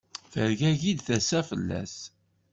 Tergagi-d tasa-s fell-as.